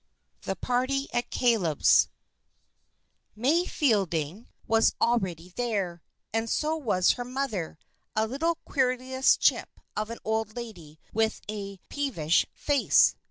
The Party at Caleb's May Fielding was already there; and so was her mother, a little querulous chip of an old lady with a peevish face.